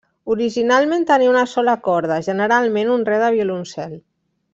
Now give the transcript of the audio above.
Originalment tenia una sola corda, generalment un Re de violoncel.